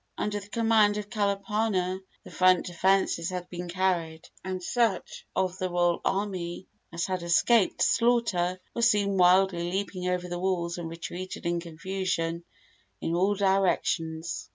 Under the command of Kalapana the front defences had been carried, and such of the royal army as had escaped slaughter were soon wildly leaping over the walls and retreating in confusion in all directions.